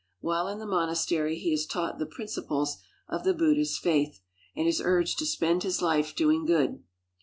While in the monastery he is taught the principles of the Buddhist faith, and is urged to spend his life doing good.